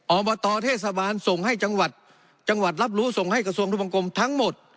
อบตเทศบาลส่งให้จังหวัดจังหวัดรับรู้ส่งให้กระทรวงทุกบังกรมทั้งหมด